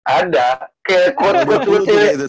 ada kayak quote ke cewek